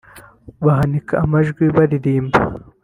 bahanika amajwi baririmba